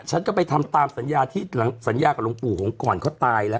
ฉันก็ไปทำตามสัญญาที่สัญญากรองปู่ของกรเขาตายและ